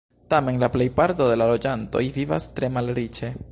Tamen la plejparto de la loĝantoj vivas tre malriĉe.